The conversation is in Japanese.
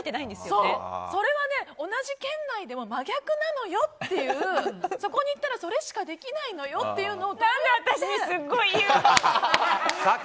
それは同じ県内でも真逆なのよっていうそこに行ったらそれしかできないのよっていうのを。